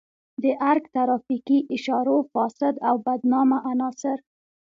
د ارګ ترافیکي اشارو فاسد او بدنامه عناصر.